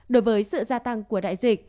đối với sự gia tăng của đại dịch